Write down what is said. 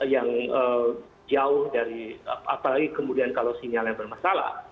yang jauh dari apalagi kemudian kalau sinyal yang bermasalah